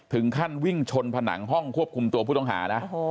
ถึงขั้นวิ่งชนผนังห้องควบคุมตัวผู้ต้องหานะ